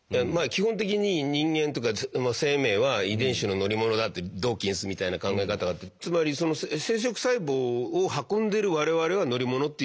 基本的に人間とか生命は遺伝子の乗り物だってドーキンスみたいな考え方があってつまりその生殖細胞を運んでる我々は乗り物っていうことですよね？